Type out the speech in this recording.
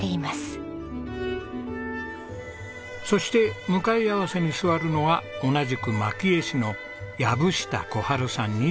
そして向かい合わせに座るのが同じく蒔絵師の薮下小春さん２３歳です。